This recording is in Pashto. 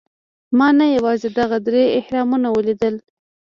ما نه یوازې دغه درې اهرامونه ولیدل.